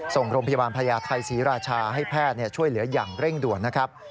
ส่งโรงพยาบาลพญาไทยศรีราชาให้แพทย์ช่วยเหลืออย่างเร่งด่วนนะครับ